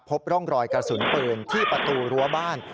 พบร่องรอยกระสุนปืนที่ประตูรั้วบ้าน